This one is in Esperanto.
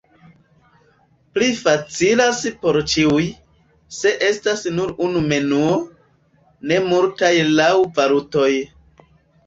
Pli facilas por ĉiuj, se estas nur unu menuo, ne multaj laŭ valutoj.